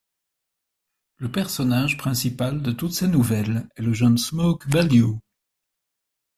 Le personnage principal de toutes ces nouvelles est le jeune Smoke Bellew.